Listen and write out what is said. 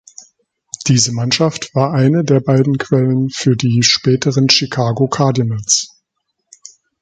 Diese Mannschaft war eine der beiden Quellen für die späteren Chicago Cardinals.